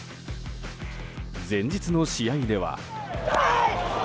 前日の試合では。